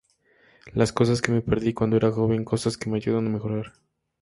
Las cosas que me perdí cuando era joven, cosas que me ayudan a mejorar.